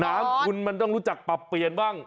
น้ำคุณมันต้องรู้จักปรับเปลี่ยนบ้าง